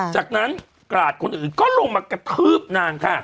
จากนั้นกราดคนอื่นก็ลงมากระทืบนางค่ะ